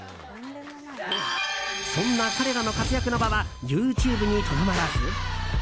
そんな彼らの活躍の場はＹｏｕＴｕｂｅにとどまらず。